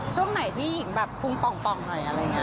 ช่วงไหนที่หญิงแบบฟุ้งปองหน่อยอะไรนะ